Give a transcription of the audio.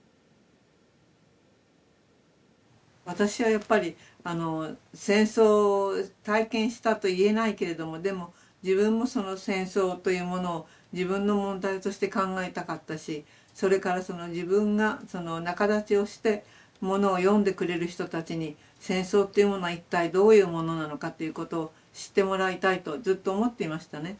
私はやっぱり戦争を体験したと言えないけれどもでも自分もその戦争というものを自分の問題として考えたかったしそれから自分が仲立ちをしてものを読んでくれる人たちに戦争っていうものは一体どういうものなのかということを知ってもらいたいとずっと思っていましたね。